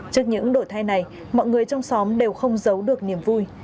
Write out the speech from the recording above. trước những đổi thay này mọi người trong xóm đều không giấu được niềm vui